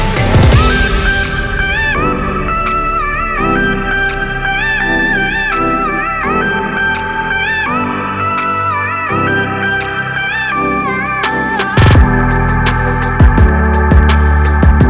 bertaurukan nyawa ibu untuk kami